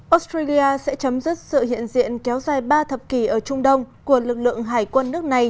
australia sẽ chấm dứt sự hiện diện kéo dài ba thập kỷ ở trung đông của lực lượng hải quân nước này